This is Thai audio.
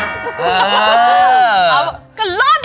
ก็โล่นมาก